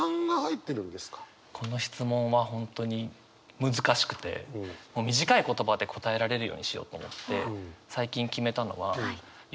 この質問は本当に難しくて短い言葉で答えられるようにしようと思って最近決めたのはよもぎ理論っていうのが。